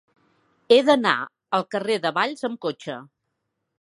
He d'anar al carrer de Valls amb cotxe.